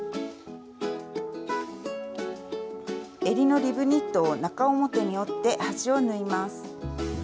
えりのリブニットを中表に折って端を縫います。